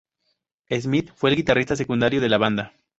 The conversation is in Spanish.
Smith fue el guitarrista secundario de la banda.